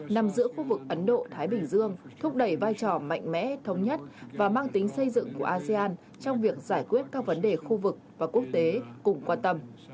nằm giữa khu vực ấn độ thái bình dương thúc đẩy vai trò mạnh mẽ thống nhất và mang tính xây dựng của asean trong việc giải quyết các vấn đề khu vực và quốc tế cùng quan tâm